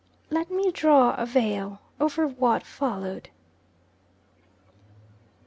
Let me draw a veil over what followed.